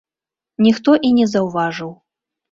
Ніхто і не заўважыў.